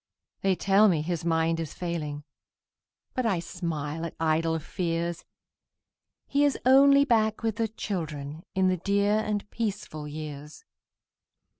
They tell me his mind is failing, But I smile at idle fears; He is only back with the children, In the dear and peaceful years.